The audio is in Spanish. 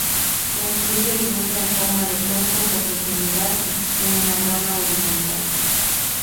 Construye el nido en forma de cuenco; por lo general en una rama horizontal.